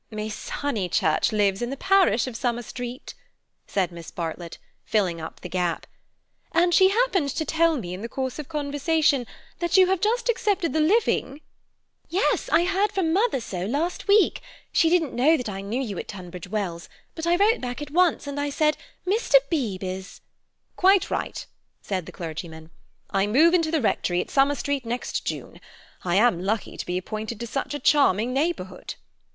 "Miss Honeychurch lives in the parish of Summer Street," said Miss Bartlett, filling up the gap, "and she happened to tell me in the course of conversation that you have just accepted the living—" "Yes, I heard from mother so last week. She didn't know that I knew you at Tunbridge Wells; but I wrote back at once, and I said: 'Mr. Beebe is—'" "Quite right," said the clergyman. "I move into the Rectory at Summer Street next June. I am lucky to be appointed to such a charming neighbourhood."